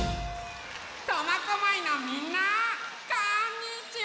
苫小牧のみんなこんにちは！